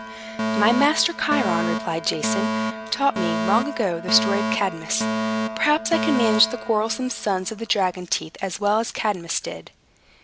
"My master Chiron," replied Jason, "taught me, long ago, the story of Cadmus. Perhaps I can manage the quarrelsome sons of the dragon's teeth as well as Cadmus did."